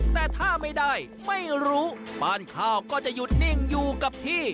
แต่ถ้าไม่ได้ไม่รู้บ้านข้าวก็จะหยุดนิ่งอยู่กับที่